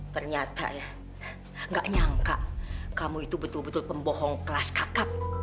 ternyata ya gak nyangka kamu itu betul betul pembohong kelas kakap